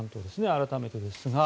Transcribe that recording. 改めてですが。